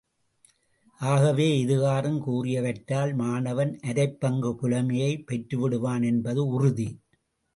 ஆகவே, இதுகாறும் கூறியவற்றால் மாணவன் அரைப் பங்குப் புலமையைப் பெற்றுவிடுவான் என்பது உறுதி.